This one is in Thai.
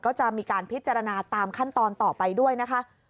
ก็จะมีการพิจารณาตามขั้นตอนต่อไปด้วยนะคะ